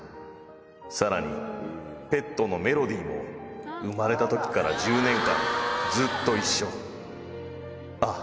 さらにペットのメロディーも生まれた時から１０年間ずっと一緒あっ